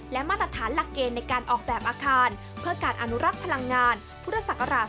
และมาตรฐานหลักเกณฑ์ในการออกแบบอาคารเพื่อการอนุรักษ์พลังงานพุทธศักราช๒๕